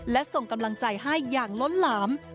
และส่งกำลังใจให้อย่างล้นหลาม